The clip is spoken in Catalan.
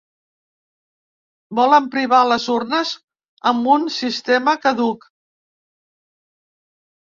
Volen privar les urnes amb un sistema caduc.